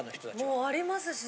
もうありますし。